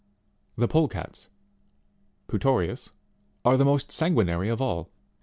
18. The POLECATS, Putorhis, are the most sanguinary of all.